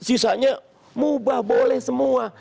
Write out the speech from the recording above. sisanya mubah boleh semua